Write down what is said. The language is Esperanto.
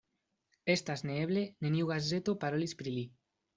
Estas neeble: neniu gazeto parolis pri li.